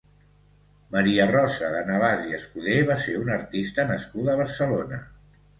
Maria Rosa De Navas i Escuder va ser una artista nascuda a Barcelona.